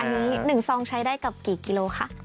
อันนี้๑ซองใช้ได้กับกี่กิโลค่ะ